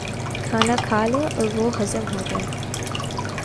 کھانا کھا لیں اور وہ ہضم ہو جائے۔